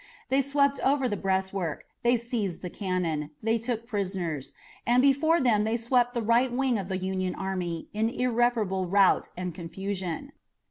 They swept over the breastwork, they seized the cannon, they took prisoners, and before them they swept the right wing of the Union army in irreparable rout and confusion.